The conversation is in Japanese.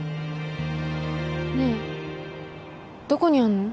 ねえどこにあんの？